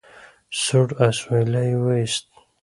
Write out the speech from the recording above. سوړ اسويلی يې ويست.